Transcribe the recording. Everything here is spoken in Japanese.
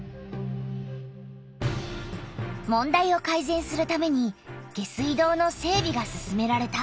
問題をかいぜんするために下水道の整びが進められた。